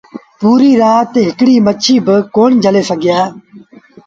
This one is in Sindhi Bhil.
پوريٚ رآت هڪڙيٚ با مڇيٚ ڪون جھلي سگھيآ۔